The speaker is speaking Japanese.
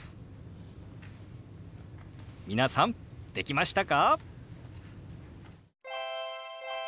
皆さんできましたか？